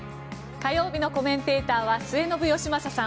火曜日のコメンテーターは末延吉正さん。